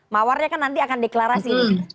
mawarnya kan nanti akan deklarasi ini